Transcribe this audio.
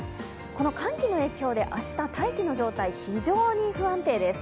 この寒気の影響で明日、大気の状態が非常に不安定です。